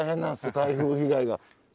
台風被害が。